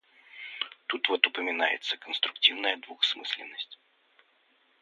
Тут вот упоминается конструктивная двусмысленность.